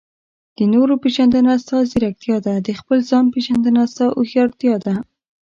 د نورو پېژندنه؛ ستا ځیرکتیا ده. د خپل ځان پېژندنه؛ ستا هوښيارتيا ده.